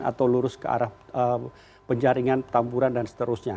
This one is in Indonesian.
atau lurus ke arah penjaringan petamburan dan seterusnya